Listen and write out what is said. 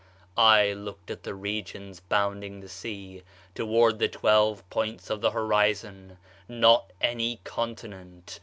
"'I looked at the regions bounding the sea: toward the twelve points of the horizon; not any continent.